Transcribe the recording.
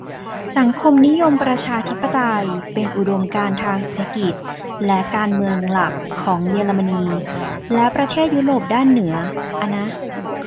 สังคมนิยมประชาธิปไตย เป็นอุดมการณ์ทางเศรษฐกิจและการเมืองหลักของเยอรมนี และประเทศยุโรปด้านเหนือ อะนะ